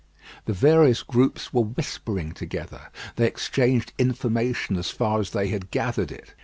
The various groups were whispering together. They exchanged information as far as they had gathered it.